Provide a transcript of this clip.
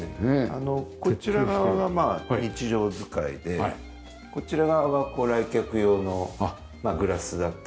こちら側が日常使いでこちら側は来客用のグラスだったり。